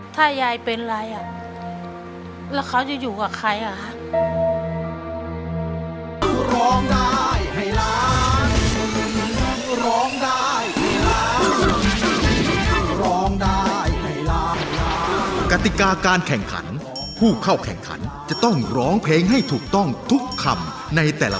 ถ้ายายเป็นไรอ่ะแล้วเขาจะอยู่กับใครอ่ะคะ